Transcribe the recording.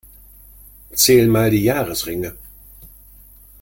Zähl mal die Jahresringe.